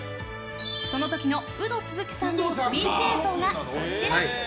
その時のウド鈴木さんのスピーチ映像がこちら。